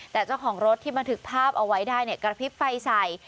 แต่เจ้าของรถที่บันทึกภาพเอาไว้ได้เนี่ยกระพริบไฟใส่